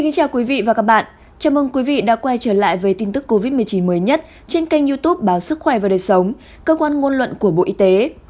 chào mừng quý vị đã quay trở lại với tin tức covid một mươi chín mới nhất trên kênh youtube báo sức khỏe và đời sống cơ quan ngôn luận của bộ y tế